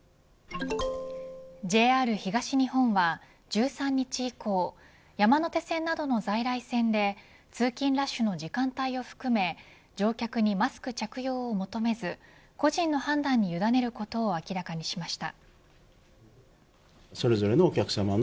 ＪＲ東日本は１３日以降山手線などの在来線で通勤ラッシュの時間帯を含め乗客にマスク着用を求めず個人の判断に委ねることを明らかにしました。